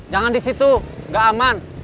jangan di situ nggak aman